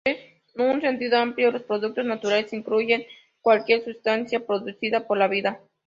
En un sentido amplio, los productos naturales incluyen cualquier sustancia producida por la vida.